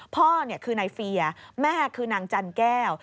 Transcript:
พ่อคือนายเฟียแม่คือนางจันแก้ว